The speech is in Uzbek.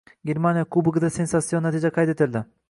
Germaniya Kubogida sensatsion natija qayd etildi